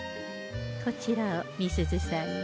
こちらを美鈴さんに。